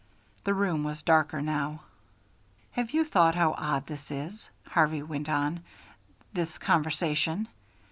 The room was darker now. "Have you thought how odd this is," Harvey went on, "this conversation?